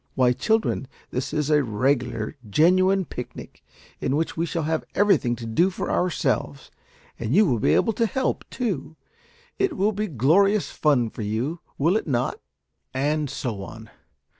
Why, children, this is a regular genuine picnic, in which we shall have everything to do for ourselves, and you will be able to help, too. It will be glorious fun for you, will it not?" And so on.